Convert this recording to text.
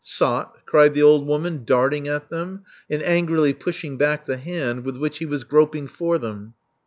Sot,'* cried the old woman, darting at them, and angrily pushing back the hand with which he was groping for them.